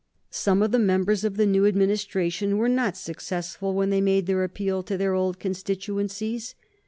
Some of the members of the new Administration were not successful when they made their appeal to their old constituencies.